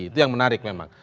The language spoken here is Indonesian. itu yang menarik memang